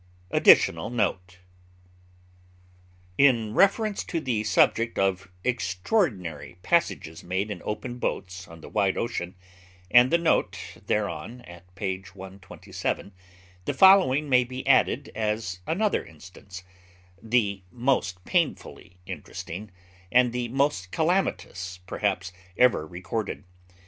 ADDITIONAL NOTE In reference to the subject of extraordinary passages made in open boats on the wide ocean, and the note thereon at page 127, the following may be added as another instance, the most painfully interesting, and the most calamitous, perhaps, ever recorded.